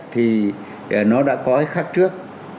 thì nó đã có cái khác trước